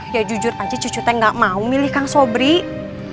ya jujur aja cucu saya gak mau milih kang sobri